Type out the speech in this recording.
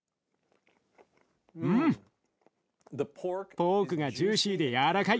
ポークがジューシーで軟らかい。